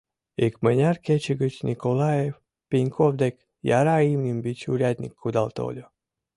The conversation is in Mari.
Икмыняр кече гыч Николай Пеньков дек яра имньын вич урядник кудал тольо.